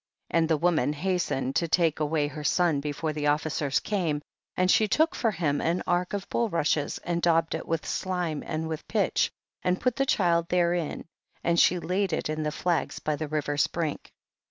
13. And the woman hastened to take away her son before the officers came, and she took for him an ark of bulrushes, and daubed it with slime and with pitch, and put the child therein, and she laid it in the flags by the river's brink.